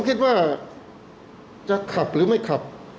คิดว่าจะขับหรือไม่ขับ